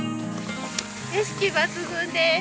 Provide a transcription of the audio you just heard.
景色抜群です。